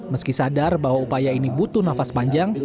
meski sadar bahwa upaya ini butuh nafas panjang